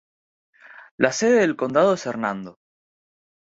La sede del condado es Hernando.